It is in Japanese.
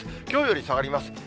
きょうより下がります。